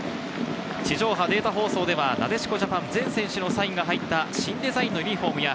地上波データ放送ではなでしこジャパン全選手のサインが入った新デザインのユニホームや、